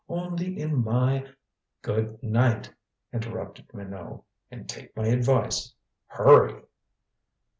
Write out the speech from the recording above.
Only in my " "Good night," interrupted Minot. "And take my advice. Hurry!"